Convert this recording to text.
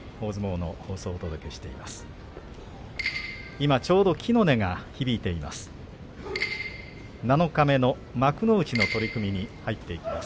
今ちょうど柝の音が響いています。